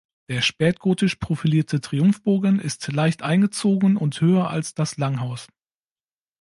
Der spätgotisch profilierte Triumphbogen ist leicht eingezogen und höher als das Langhaus.